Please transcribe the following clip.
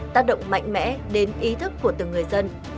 tác động mạnh mẽ đến ý thức của từng người dân